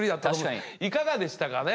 いかがでしたかね